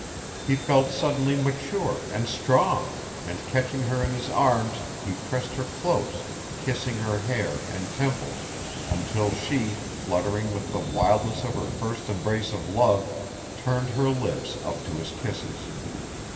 He felt suddenly mature and strong and catching her in his arms he pressed her close, kissing her hair and temples until she, fluttering with the wildness of her first embrace of love, turned her lips up to his kisses.